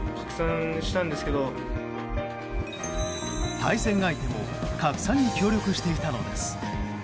対戦相手も拡散に協力していたのです。